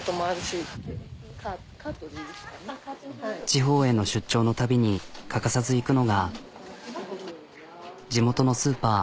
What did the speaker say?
地方への出張のたびに欠かさず行くのが地元のスーパー。